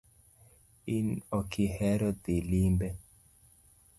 In okihero dhii limbe